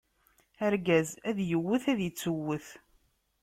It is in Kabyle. Argaz ad iwwet, ad ittuwwet.